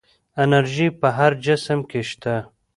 انرژي په هر جسم کې شته.